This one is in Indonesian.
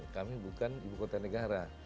kami bukan ibu kota negara